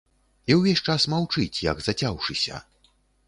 І ўвесь час маўчыць, як зацяўшыся.